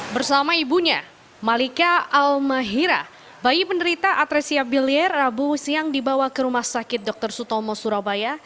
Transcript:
bersama ibunya malika almahira bayi penderita atresia bilier rabu siang dibawa ke rumah sakit dr sutomo surabaya